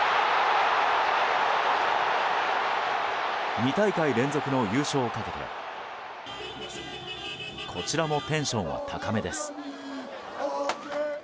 ２大会連続の優勝をかけてこちらもテンションは高めです。